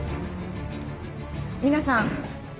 皆さん。